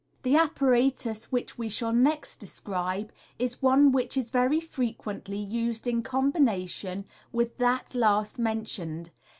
The apparatus which we shall next describe is one which is very frequently used in combination with that last mentioned.